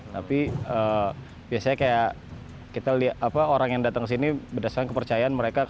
tapi biasanya orang yang datang ke sini berdasarkan kepercayaan mereka